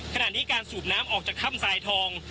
ขณะนี้การสูบน้ำออกจากถ้ำทรายทอง